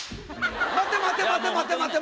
待て待て待て待て。